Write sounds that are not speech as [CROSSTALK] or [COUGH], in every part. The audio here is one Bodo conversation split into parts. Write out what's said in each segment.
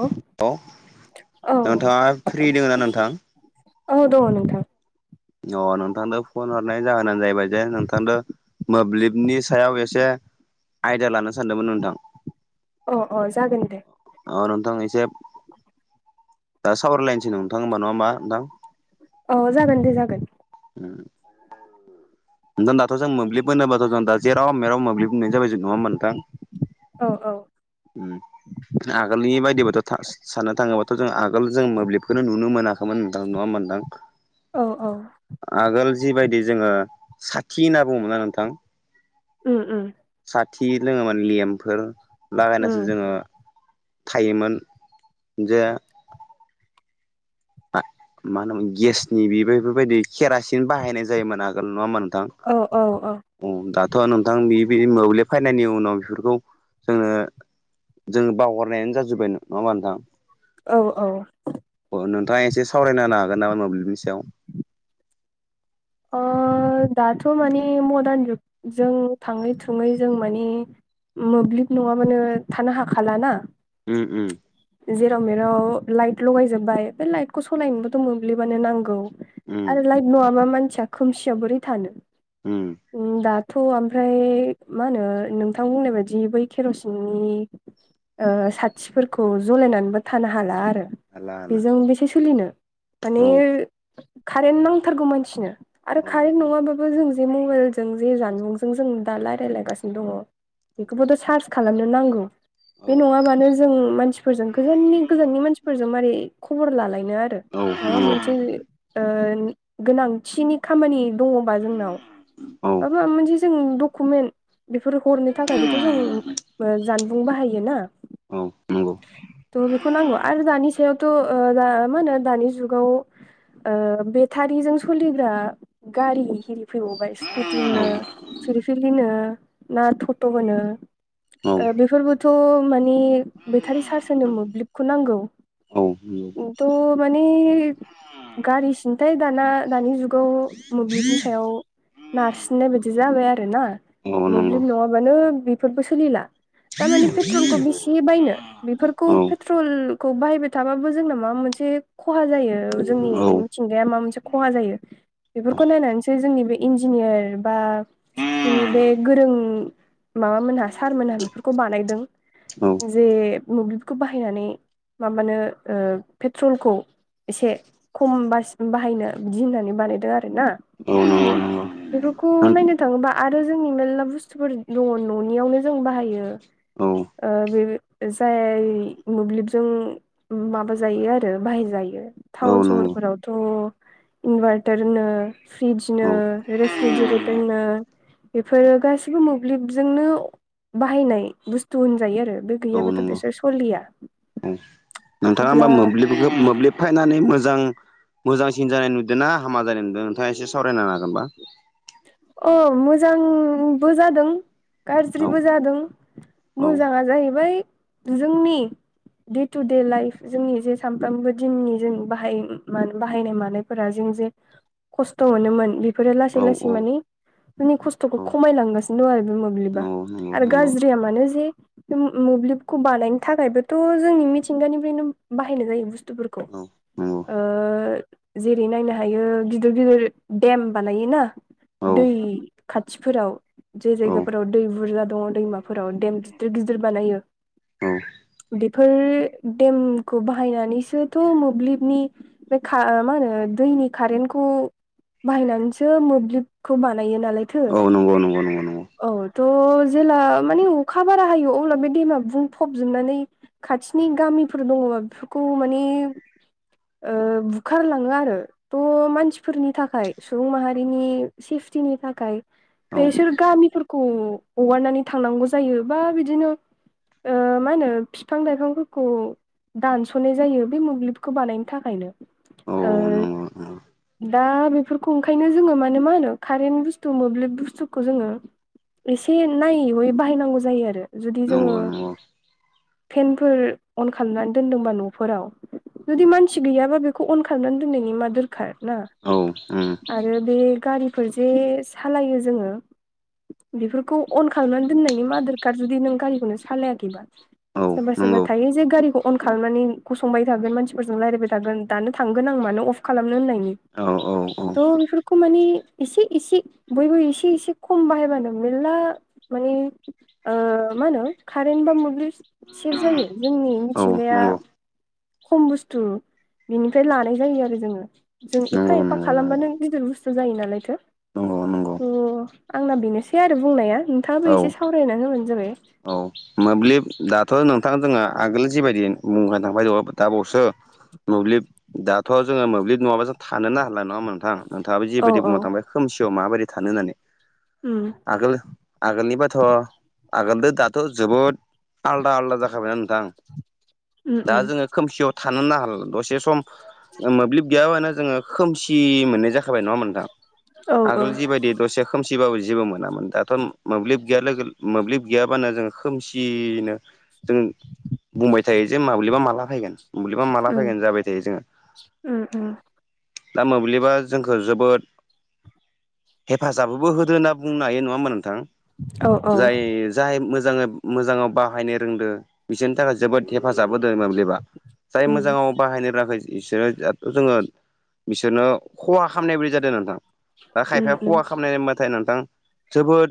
औ हेल' नोंथाङा फ्रि दङ ना नोंथां? औ दं औ नोंथां। अ नोंथांनो फन हरनाय जाहोनानो जाहैबाय जे नोंथांनो मोब्लिबनि सायाव एसे आयदा लानो सानदोंमोन नोंथां। अ अ जागोन दे। आरो नोंथां एसे दा सावरायलाइनसै नोंथां होमबा नङा होमबा नोंथां? औ जागोन दे जागोन। उम। नोंथां दाथ' जों मोब्लिब होनोब्लाथ' जों दा जेराव मेराव मोब्लिब बुंनाय जाबाय जों नङाहोमबा नोंथां? औ औ। उम। आगोलनि बायदिबाथ' साननो थाङोबाथ' जों आगोल जों मोब्लिबखौनो नुनो मोनाखैमोनदां नङा होमबा नोंथां? [INAUDIBLE] औ औ। आगोल जिबायदि जोङो साथि होनना बुङोमोनना नोंथां। उम उम। साथि लोङोम मान लेम्फोर उम लागायनासो जोङो थायोमोन जे मा होनोमोन गेसनि बेफोरबायदि केरासिन बाहायनाय जायोमोन आगोल नङा होमबा नोंथां। औ औ औ। दाथ' नोंथां बेदि मोब्लिब फैनायनि उनाव बेफोरखौ जोंनो जोङो बावहरनायानो जाजोबबाय नङा होमबा नोंथां? औ औ। अ नोंथाङा एसे सावरायनो हागोन नामा? मोब्लिबनि सायाव। दाथ' माने मडार्न जुगजों थाङै थुङै जों माने मोब्लिब नङाबानो थानो हाखलाना? उम उम। जेराव मेराव लाइट लगायजोबबाय बे लाइटखौ सालायनोबोथ' मोब्लिबानो नांगौ। उम आरो लाइक नङाबा मानसिया खोमसियाव बोरै थानो। उम दाथ' ओमफ्राय मा होनो नोंथां बुंनाय बायदि बै केर'सिननि साथिफोरखौ जलायनानैबो थानो हाला आरो। हारला हारला बेजों बेसे सोलिनो माने औ कारेन्ट नांथारगौ मानसिनो। आरो औ कारेन्ट नंगौ नङाबाबो जों जे मबाइलजों जे जानबुंजों जों दा रायजायलायगासिनो दङ। बेखौबोथ' सार्च खालामनो नांगौ औ बे नङाबानो। जों मानसिफोरजों गोजाननि गोजाननि मानसिफोरजों मारै खबर लालायनो आरो। औ माबा नंगौ मोनसे गोनांथिनि। खामानि दङबा जोंनाव औ मा माबा मोनसे जों डकुमेन्ट। बेफोर हरनो थाखायबोथ' जों जानबुं बाहायोना औ नंगौ थ' बेखौ नांगौ आरो दानि सायावथ' मा होनो दानि जुगाव। बेटारिजों सोलिग्रा। गारि एरि फैबावबाय स्कुटिनो फिलफिलिनो। ना थथ' होनो बेफोरबाय। थ' मानि बेटारि चार्ज होनो मोब्लिबखौ नांगौ। औ। मानि गारिसिनथाय दाना दानि जुगाव मोब्लिबनि सायाव नारसिननाय बायदि जाबाय आरो ना। औ नंगौ मोब्लिब नङाबानो बेफोरबो सोलिला थारमानिे पेट्रलखौ बेसे बायनो। बेफोरखौ औ पेट्रलखौ बाहायबाय थाबाबो जोंना माबा मोनसे खहा जायो जोंनि। औ मिथिंगाया माबा मोनसे खहा जायो बेफोरखौ नायनानैसो जोंनि बे इन्जिनियार बा। जोंनि बे गोरों माबामोनहा सारमोनहा बेफोरखौ बानायदों। औ जे मोब्लिबखौ बाहायनानै माबानो पेट्रलखौ। एसे खम बासि बाहायनो बिदि होननानै बानाय। औ नंगौ नंगौ बेफोरखौ नायनो थाङोबा आरो। जोंनि मेर्ला बुस्थुफोर दङ न'नियावनो जों बाहायो। औ। बे जाय मोब्लिबजों। माबा जायो आरो बाहेर जायो टाउन औ नंगौ सहरफोरावथ' इनभारट। रनोरिजनो औ रेरिजेटनो। बेफोरो गासिबो मोब्लिबजोंनो बाहायनाय बुस्थु होनजायो आरो बे। औ गैयाबाथ' नंगौ बिसोर सलिया औ नोंथाङा होमबा अब्ला। मोब्लिबखौ मोब्लिब फायनानै मोजां। मोजांसिन जानाय नुदोंना हामा जानाय नुदों नोंथाङा एसे सावरायना नागोनबा। अ मोजांबो जादों। औ गाज्रिबो जादों औ मोजाङा जाहैबाय जोंनि दे टु दे लाइफ जोंनि जे सानफ्रामबो दिननि जों बाहाय बाहायनाय मानाय। फोर जों जे खस्थ' मोनोमोन। लासै औ लासै मान जोंनि खस्थ' औ खमायलांगासिनो दं आरो बे मोब्लिबा नंगौ आरो ग या मानो जे मोब्लिबखौ बानायनो थाखायबोथ' जोंनि मिथिंगानिफ्रायनो बाहायनाय जायो बुस्थुफोरखौ। ग' जेरै नायनो हायो गिदिर गिदिर देम बानाय ना। दै खाथिफोराव। जे जायगाफोराव दै बुरजा दङ दैमाफोराव देम गिदिर गिदिर बानायो। बेफोर देमखौ बाहायनानैसोथ' मोब्लिबनि। बे मा होनो दैनि कारेन्टखौ बाहायनानैसो मोब्लिब। खुब बानायायो नालाय औ नंगौ नंगौ नंगौ औ थ' जेला माने अखा बारा हायो अब्ला बे दैया बुंफबजोबनानै खाथिनि गामिफोर दङ बा बेफोरखौ माने बुखारलाङो आरो थह मानसिफोरनि थाखाय सुबुं माहारिनि सेफटिनि थाखाय बेसोर गामिफोरखौ हगारनानै थांनांगौ जायो बा बिदिनो मा होनो बिफां लाइफांफोरखौ दानस'नाय जायो बे मोब्लिबखौ बानायनो थाखायनो औ नंगौ औ औ दा बेफोरखौ ओंखायनो जोङो मानो मा होनो कारेन्ट बुस्थु मोब्लिब बुस्थुखौ जोङो एसे नायैयै बाहायनांगौ जायो आरो औ जुदि नंगौ जोङो नंगौ फेनफोर अन खालामनानै दोनदोंबा न'फोराव जुदि मानसि गैयाबा बेखौ अन खालामनानै दोननायनि मा दरखार ना औ औ नंगौ औ उम आरो बे गारिफोर जे सालायो जोङो बेफोरखौ अन खालामनानै दोननायनि मदार कार्ड जुदि नों गारिखौनो सालायाखैबा औ सोरबा सोरबा नंगौ थायो जे गारिखौ अन खालामनानै संबाय थागोन मानसिफोरजों रायज्लायबाय थागोन दानो थांगोन आं मानो अफ खालामनो होननायनि औ औ थ' बेफोरखौ माने इसे इसे बयबो एसे इसे खम बाहायबानो मेरला माने मा होनो कारेन्ट बा मोब्लिब सेभ जायो जोंनि औ मिथिंगाया नंगौ खम बुस्थु बेनिफ्राय लानाय जायो आरो जोङो जों एफा नंगौ एफा नंगौ नंगौ खालामबानो गिदिर बुस्थु जायो नालाय नंगौ नंगौ थ आंना बेनोसै आरो बुंनाया नोंथाङाबो औ एसे सावरायना होबानो जाबाय औ मोब्लिब दाथ' नोंथां जोहा आगोल जिबायदि बुंखनो थांबाय दङ दा सो मोब्लिब दाथ' जोङो मोब्लिब नङाबा जों थानोनो हाला नङा होमबा नोंथां नोंथाङाबो औ जिबायदि औ बुंनो थांबाय खोमसियाव माबायदि थानो होननानै उम आगोल आगोलनिबाथ' आगोलनो दाथ' जोबोद आलदा आलदा जाखाबायना नोंथां उम दा उम जोङो खोमसियाव थानोनो हाला दसे सम मोब्लिब गैयाबानो जोङो खोमसि मोननाय जाखाबाय नङा होमबा नोंथां औ औ आगोल जिबायदि दसे खोमसिबाबो जेबो मोनामोन दाथ' मोब्लिब गैया लोगो मोब्लिब गैयाब्लानो जोङो खोमसियनो जों बुंबाय थायो जे माब्लिबा माला फैगोन बेबा माला उम फैगोन जाबाय थायो जोङो उम उम दा मोब्लिबा जोंखौ जोबोद हेफाजाबबो होदो होनना बुंनो हायो नङा होमा नोंथां औ औ जाय जाय मोजाङै मोजाङाव बाहायनो रोंदो बिसोरनि थाखाय जोबोद हेफाजाब होदों मोब्लिबा जाय उम मोजाङाव बाहायनो राखै बिसोरो दाथ' जोङो बिसोरनो खहा खालामनाय बायदि जादों नोंथां दा उम खायफाया उम खहा खालामनायबाथाय नोंथां जोबोद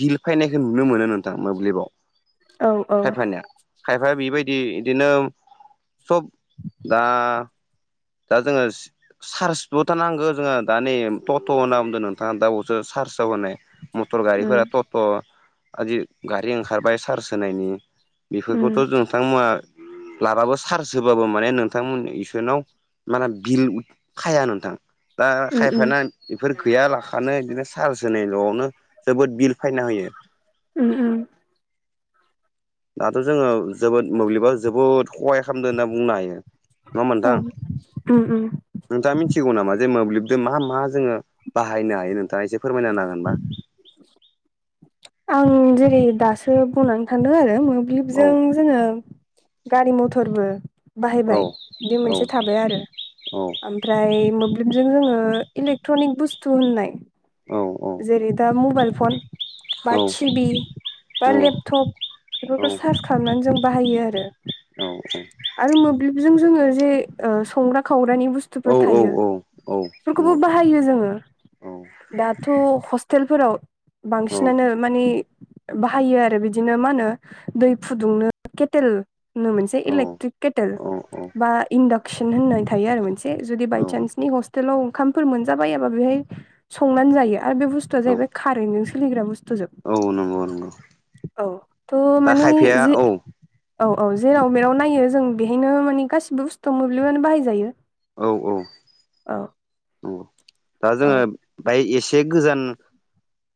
बिल फैनायखौ नुनो मोनो नोंथां मोब्लिबाव औ औ खायफानिया खायफाया बेबायदि बिदिनो सब दा दा जोङो चार्जबोथ' नांगौ जोङो दा नै टट' होनना बुंदों नोंथाङा दा बेयावसो चार्जआव होनाय मटर उम गारिफोरा टट' आदि गारि ओंखारबाय चार्ज होनायनि उम बेफोरखौथ' नोंथांमोना लाबाबो चार्ज होबाबो माने नोंथांमोननि इसनाव माने बिल खाया नोंथां दा उम उम खायफान बेफोर गैया लाखानो बिदिनो सार्ज होनायल'आवनो जोबोद बिल फायना होयो उम उम दाथ' जोङो जोबोद मोब्लिबा जोबोद हहाय खालामदों होनना बुंनो हायो। नङा होनबा औ नोंथां? उम उम नोंथाङा मिथिगौ नामा जे मोब्लिबजों मा मा जोङो बाहायनो हायो नोंथाङा एसे फोरमायना होनो हागोनबा? आं जेरै दासो बुंनानै थांदों आरो औ मोब्लिबजों जोङो गारि मथरबो औ बाहायबाय बे औ मोनसे थाबाय आरो। ओमफ्राय मोब्लिबजों जोङो इलेक्ट्रनिक बुस्थु होननाय औ औ जेरै दा मबाइल फन बा औ टिभि बा लेपटप औ बेफोरखौ सार्च खालामनानै जों बाहायो आरो। औ औ आरो मोब्लिबजों जोङो जे संग्रा खावरानि औ बुस्थुफोर थायो औ औ नंगौ औ बेफोरखौबो बाहायो जोङो औ दाथ' हस्टेलफोराव औ बिनानो माने बाहायो आरो बिदिनो मा होनो दै फुदुंनो केटेल मोनसे इलेक्ट्रिक केटेल औ बा इन्डाक्सन होननानै थायो आरो मोनसे एसे जुदि बायसान्सनि हस्टेलाव ओंखामफोर मोनजाबायाबा बेहाय संनानै जायो। आरो बे बुस्थुआ औ जाहैबाय कारेनन्टजों सलिग्रा बुस्थु जोब औ नंगौ नंगौ औ त' दा माने खायफाया जि औ औ औ जेराव मेराव नायो जों बेहायनो माने गासिबो बुस्थुआव मोब्लिबानो बाहायजायो। औ औ औ दा औ जोङो बाय एसे गोजान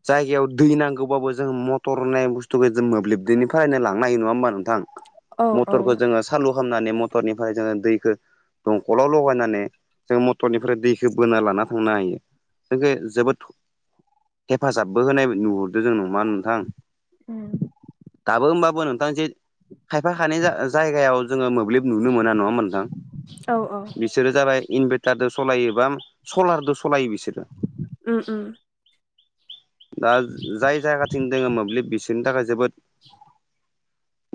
जायगायाव दै नांगौबाबो मथर होननाय बुथुखौ मोब्लिबनिफ्रायनो लांनो हायो नङा हबा नोंथां औ मथरखौ जोङो सालु खालामनानै मटरनिफ्राय जोङो दैखौ दंखलाव लगायनानै जों मटरनिफ्राय दै ख बोना लाना थांनो हायो जेख जोबोद हेफाजाबबो होनाय नुहरदों जों नङा नोंथां [UNINTELLIGIBLE] दाबो होमबाबो नोंथां जे खायफा खानि जायगायाव जोङो मोब्लिब नुनो मोना नङा मोनथां औ औ बिसोरो जाबाय इनभारटारजों सालायोबा सलारजों सालायो बिसोरो। उम उम दा जाय जायगाथिं दोङो मोब्लिब बिसोरनि थाखाय जोबोद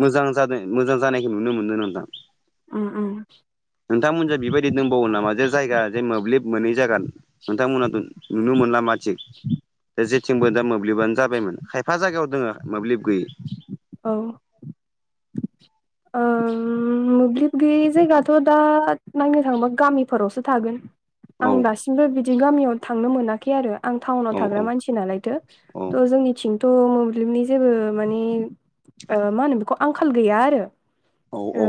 मोजां जादों मोजां जानायखौ नुनो मोनदों नोंथां। उम उम नोंथांमोनहा बेबायदि दंबावो नामा जे जायगा जे मो मोब्लिब मोननै जागोन नोंथांमोना नुनो मोनला मा थिग दा जेथिंबो दा मोब्लिबानो जाबायमोन खायफा जायगायाव दङो मोब्लिब गैयै‌। औ ओ मोब्लिब गैयै जायगाथ' दा नायनो थाङोबा गामिफोरावसो थागोन। औ आं दासिमबो बिदि गामियाव थांनो मोनाखै आरो। आं औ टाउनाव औ थाग्रा मानसि नालायथो औ थ जोंनिथिं थ' मोब्लिबनि जेबो मानिे मा होनो बेखौ आंखाल गैया आरो। औ औ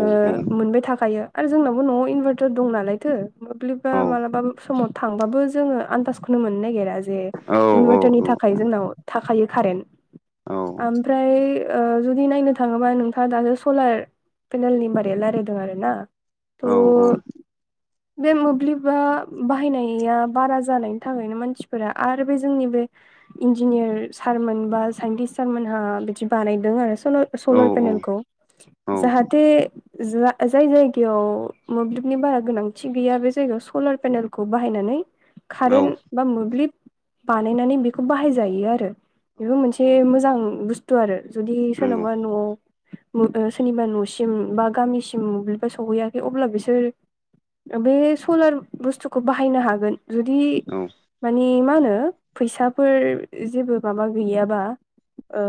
मोनबाय थाखायो आरो जोंनावो न'आव इनभार्टार दं नालायथो। मोब्लिबा मालाबा समाव थांबाबो जोङो आनन्दाजखौनो मोननो नागिरा। ज औ इनभारटारनि थाखाय जोंनाव थाखायो कारेन आमफ्राय ओ जुदि नायनो थाङोबा नोंथाङा दानो सलार पेनेल निबारयाला रोदों आरो ना थ' बे मोब्लिबा बाहायनाया बारा जानायनि थाखायनो मानसिफोरा आरो बे जोंनि बे इन्जिनियार सारमोन बा साइन्टिस सारमोनहा बिदि बानायदों आरो। सलार औ पेनेलखौ औ जाहाथे जा जाय जायगायाव मोब्लिबनि बारा गोनांथि गैया बे जायगायाव सलार पेनेल खौ बाहायनानै औ कारेन्ट बा मोब्लिब बानायनानै बेखौ बाहायजायो आरो। औ नंगौ बेबो मोनसे नोंथां मोजां बुस्थु आरो जुदि नंगौ सोरनाबा न'आव सोरनिबा न'सिम बा गामिसिम मोब्लिबा सहैयाखै अब्ला बिसोर बे सलार बुस्थुखौ बाहायनो हागोन जुदि औ मानि मा होनो फैसाफोर जेबो माबा गैयाबा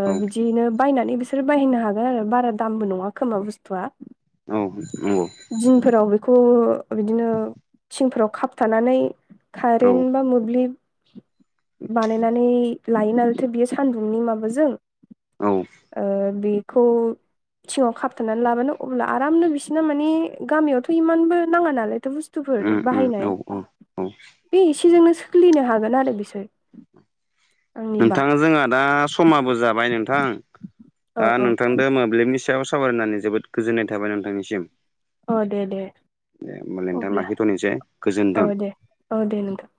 औ बिदियैनो बायनानै बिसोरो बायहैनो हागोन आरो बारा दामबो नङा खोमा बुस्थुआ औ नंगौ दिनफोराव बेखौ बिदिनो थिंफोराव खाब थानानै औ कारेन बा मोब्लिब बानायनानै लायो नालायथो बियो सान्दुंनि औ माबाजों बेखौ थिङाव खाबथनानै लाबानो अब्ला आरामनो बिसोरना माने गामियावथ' इमानबो नाङा नालायथ' बस बुस्थुफोर उम उम बाहायनाय औ औ बे एसेजोंनो सोलिनो हागोन आरो बिसोर आंनिबा नोंथां जोंहा दा समाबो जाबाय नोंथां औ दा औ नोंथांजों मोब्लिबनि सायाव सावरायनानै जोबोद गोजोन्नाय थाबाय नोंथांनिसिम औ दे दे दे होनोमबालाय नोंथां अब्ला लाखिथ'नोसै औ गोजोन्थों दे औ दे नोंथां